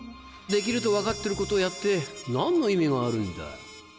できると分かってることをやって何の意味があるんだ？